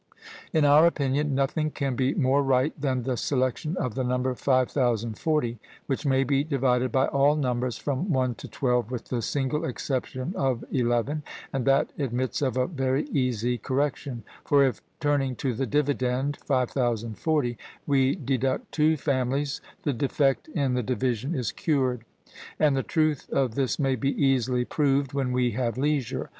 In our opinion, nothing can be more right than the selection of the number 5040, which may be divided by all numbers from one to twelve with the single exception of eleven, and that admits of a very easy correction; for if, turning to the dividend (5040), we deduct two families, the defect in the division is cured. And the truth of this may be easily proved when we have leisure.